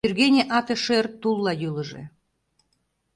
Вӱргене ате-шӧр тулла йӱлыжӧ.